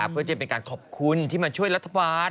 เพื่อจะเป็นการขอบคุณที่มาช่วยรัฐบาล